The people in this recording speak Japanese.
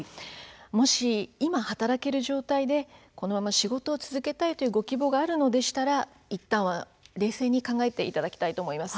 もし今、働ける状態でこのまま仕事を続けたいというご希望があるのでしたらいったんは冷静に考えてほしいと思います。